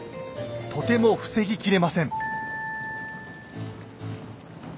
とても防ぎきれません。